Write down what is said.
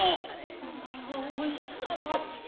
まあお勇ましい。